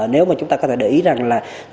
nếu mà chúng ta có thể để ý rằng là